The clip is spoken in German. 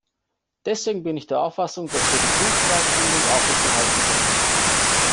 Deswegen bin ich der Auffassung, dass wir die Buchpreisbindung aufrechterhalten sollten.